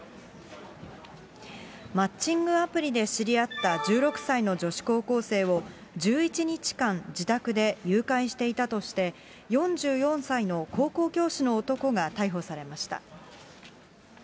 マッチングアプリで知り合った１６歳の女子高校生を、１１日間、自宅で誘拐していたとして、４４歳の高校教師の男が逮捕されました。